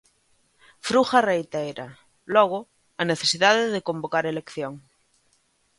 Fruga reitera, logo, a necesidade de convocar elección.